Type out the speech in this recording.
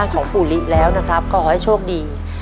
ของปู่ลิแล้วนะครับก็ขอให้โชคดี